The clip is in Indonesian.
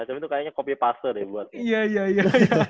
tapi itu kayaknya copy paste